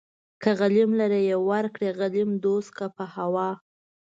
که غليم لره يې ورکړې غليم دوست کا په هوا